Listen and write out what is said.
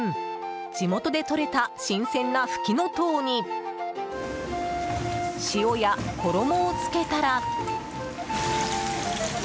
地元で採れた新鮮なフキノトウに塩や衣をつけたら。